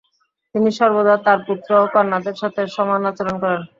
তিনি সর্বদা তার পুত্র ও কন্যাদের সাথে সমান আচরণ করতেন।